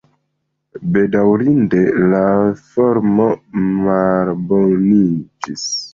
Bedaŭrinde, la formo malboniĝis.